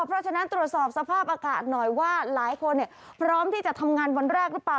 เพราะฉะนั้นตรวจสอบสภาพอากาศหน่อยว่าหลายคนพร้อมที่จะทำงานวันแรกหรือเปล่า